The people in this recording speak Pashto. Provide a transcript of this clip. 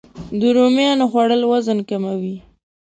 د رومیانو خوړل وزن کموي